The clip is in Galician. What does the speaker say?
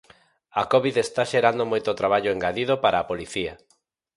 A covid está xerando moito traballo engadido para a policía.